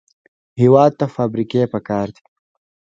هېواد ته فابریکې پکار دي